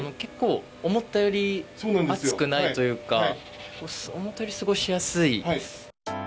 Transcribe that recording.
思ったより暑くないというか思ったより過ごしやすいです。